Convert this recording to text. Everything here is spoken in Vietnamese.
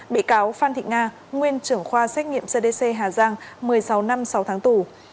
bị cáo phan thị nga nguyên trưởng khoa xét nghiệm cdc hà giang một mươi sáu năm sáu tháng tù